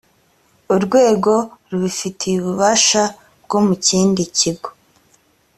urwego rubifitiye ububasha bwo mu kindi kigo